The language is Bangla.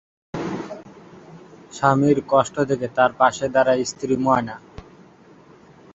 স্বামীর কষ্ট দেখে তার পাশে দাড়ায় স্ত্রী ময়না।